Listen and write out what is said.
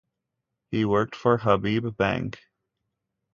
He worked for Habib Bank.